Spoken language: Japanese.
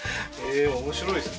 えー面白いですね